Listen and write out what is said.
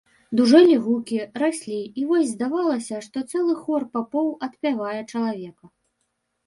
Дужэлі гукі, раслі, і вось здавалася, што цэлы хор папоў адпявае чалавека.